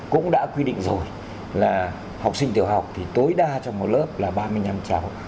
cũng đã quy định rồi là học sinh tiểu học thì tối đa trong một lớp là ba mươi năm cháu